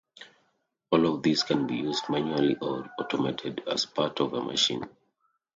All of these can be used manually or automated as part of a machine.